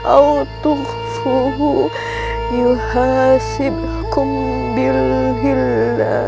autughfuhu yuhasibkum bilhillah